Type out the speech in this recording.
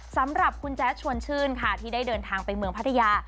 สำหรับคุณแจ๊ดชวนชื่นค่ะที่ได้เดินทางไปเมืองพัทยา